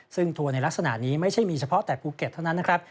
ซึ่งทัวร์ในลักษณะนี้ไม่ใช่เฉพาะมีแหละภูเก็ตนั้นนะครับ